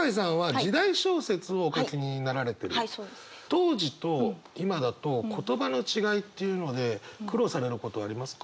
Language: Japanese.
当時と今だと言葉の違いっていうので苦労されることありますか？